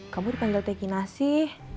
kamu dipanggil teh kinasih